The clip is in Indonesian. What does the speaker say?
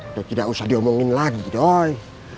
udah tidak usah diomongin lagi doy